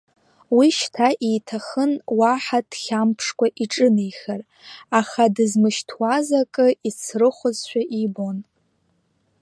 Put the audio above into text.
Уи шьҭа иҭахын уаҳа дхьамԥшкәа иҿынеихар, аха дызмышьҭуаз акы ицрыхозшәа ибон.